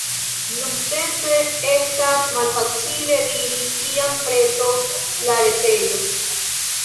Nuntempe, estas malfacile diri kiam pretos la retejo.